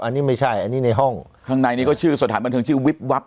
อันนี้ไม่ใช่อันนี้ในห้องข้างในนี้ก็ชื่อสถานบันเทิงชื่อวิบวับ